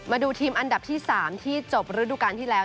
มาดูทีมอันดับที่๓ที่จบฤดูการที่แล้ว